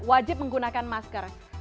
wajib menggunakan masker